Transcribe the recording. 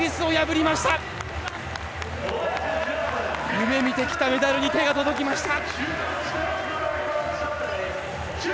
夢みてきたメダルに手が届きました。